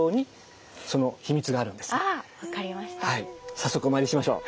早速お参りしましょう。